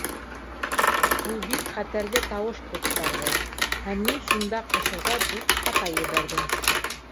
Ул бик хәтәрле тауыш ҡуптарҙы һәм мин шунда ҡушыуҙа дүрт хата ебәрҙем.